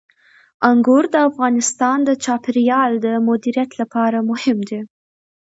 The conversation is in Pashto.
انګور د افغانستان د چاپیریال د مدیریت لپاره مهم دي.